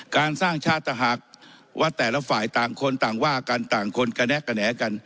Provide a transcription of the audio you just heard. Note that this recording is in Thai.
การสร้างชาติต่างหากว่าแต่ละฝ่ายต่างคนต่างว่ากันต่างคนกระแนะกระแหนกัน